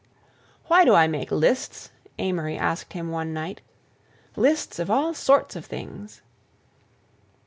"Why do I make lists?" Amory asked him one night. "Lists of all sorts of things?"